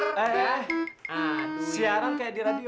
nah siaran kayak di radio